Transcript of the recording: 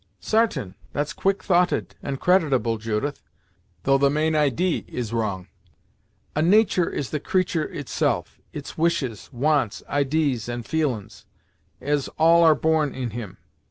"Sartain; that's quick thoughted, and creditable, Judith, though the main idee is wrong. A natur' is the creatur' itself; its wishes, wants, idees and feelin's, as all are born in him.